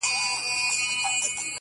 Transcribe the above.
لومړی نظر له سترګو سره جنګیږي